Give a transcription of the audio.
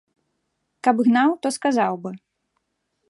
Каб гнаў, то сказаў бы.